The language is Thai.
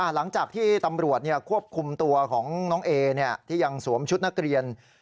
หลังจากที่ตำรวจควบคุมตัวของน้องเอที่ยังสวมชุดนักเรียน